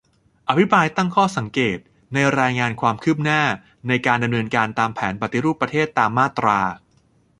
อภิปรายตั้งข้อสังเกต ในรายงานความคืบหน้าในการดำเนินการตามแผนปฏิรูปประเทศตามมาตรา